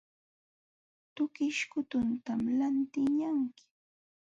Tukish kutuntam lantiqñanki.